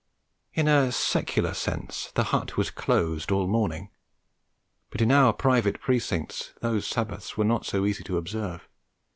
In a secular sense the hut was closed all morning. But in our private precincts those Sabbaths were not so easy to observe.